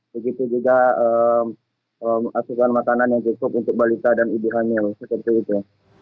begitu juga asupan makanan yang cukup untuk balita dan ibu hamil seperti itu